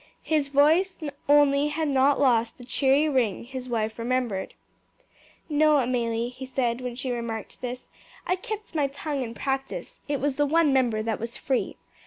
His voice only had not lost the cheery ring his wife remembered. "No, Amelie," he said when she remarked this. "I kept my tongue in practice; it was the one member that was free.